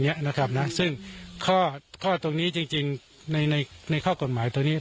เนี้ยนะครับนะซึ่งข้อข้อตรงนี้จริงจริงในในข้อกฎหมายตัวนี้